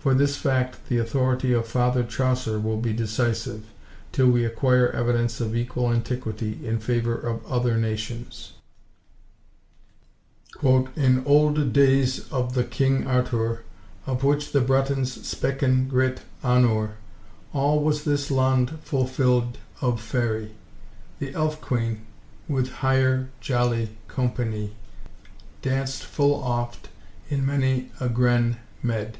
For this fact the authority of father Chaucer will be decisive, till we acquire evidence of equal antiquity in favour of other nations:— "In olde dayes of the King Artour, Of which the Bretons speken gret honour, All was this lond fulfilled of faerie; The elf–quene, with hire joly compagnie, Danced ful oft in many a grene mede.